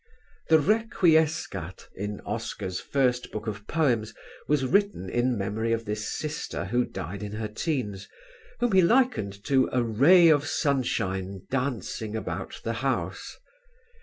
The Requiescat in Oscar's first book of poems was written in memory of this sister who died in her teens, whom he likened to "a ray of sunshine dancing about the house."